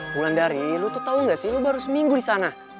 mulan dari lo tuh tau enggak sih lo baru seminggu di sana